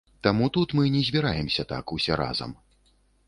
Таму тут мы не збіраемся так, усе разам.